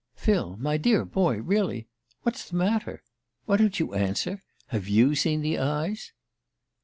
"Phil, my dear boy, really what's the matter? Why don't you answer? Have you seen the eyes?"